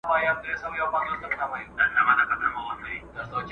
سوله د جګړې مخه نیسي.